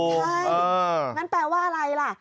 ใช่งั้นแปลว่าอะไรล่ะ